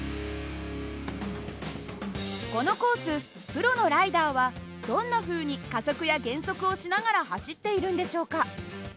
このコースプロのライダーはどんなふうに加速や減速をしながら走っているんでしょうか。